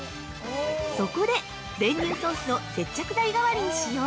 そこで、練乳ソースを接着剤代わりに使用。